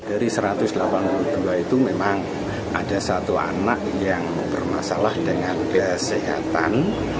dari satu ratus delapan puluh dua itu memang ada satu anak yang bermasalah dengan kesehatan